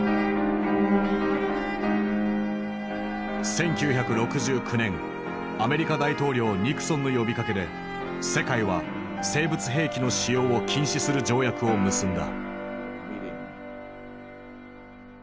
１９６９年アメリカ大統領ニクソンの呼びかけで世界は生物兵器の使用を禁止する条約を結んだ。